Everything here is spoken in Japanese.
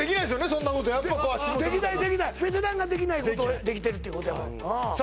そんなことやっぱこう足元できないできないベテランができないことをできてるっていうことやもんああさあ